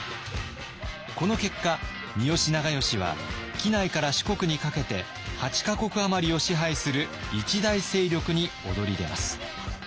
この結果三好長慶は畿内から四国にかけて８か国余りを支配する一大勢力に躍り出ます。